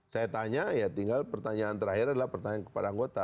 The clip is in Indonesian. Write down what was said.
saya tanya ya tinggal pertanyaan terakhir adalah pertanyaan kepada anggota